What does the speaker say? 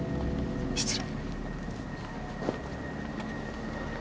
失礼。